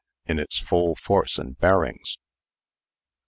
in its full force and bearings?"